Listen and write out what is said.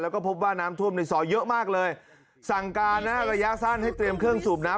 แล้วก็พบว่าน้ำท่วมในซอยเยอะมากเลยสั่งการนะฮะระยะสั้นให้เตรียมเครื่องสูบน้ำ